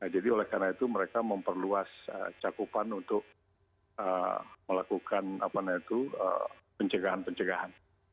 jadi oleh karena itu mereka memperluas cakupan untuk melakukan apa namanya itu pencegahan pencegahan